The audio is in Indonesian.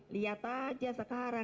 lihat aja sekarang